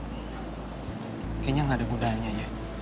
kayaknya nggak ada budayanya ya